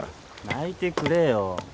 泣いてくれよ。